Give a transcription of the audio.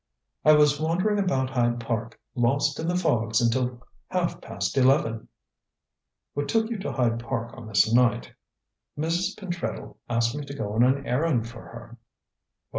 "I was wandering about Hyde Park, lost in the fogs until half past eleven." "What took you to Hyde Park on this night?" "Mrs. Pentreddle asked me to go on an errand for her."